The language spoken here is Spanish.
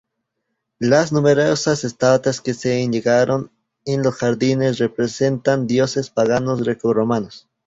Las numerosas estatuas que se yerguen en los jardines representan dioses paganos greco romanos.